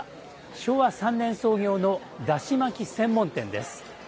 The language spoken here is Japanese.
昭和３年創業のだし巻き専門店です。